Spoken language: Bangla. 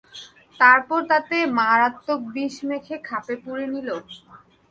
তারপর তাতে মারাত্মক বিষ মেখে খাপে পুরে নিল।